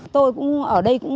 tôi cũng ở đây